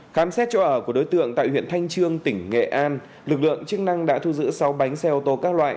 khám xét chỗ ở của đối tượng tại huyện thanh trương tỉnh nghệ an lực lượng chức năng đã thu giữ sáu bánh xe ô tô các loại